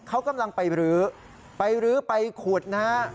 เขากำลังไปรื้อไปรื้อไปขุดนะฮะ